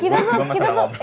kita tuh kita tuh